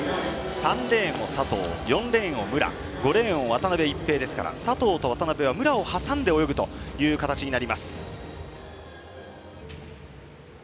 ３レーンを佐藤４レーンを武良５レーンを渡辺一平ですから佐藤と渡辺は武良を挟んで泳ぐという形になります。